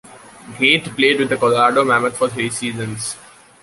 Gait played with the Colorado Mammoth for three seasons.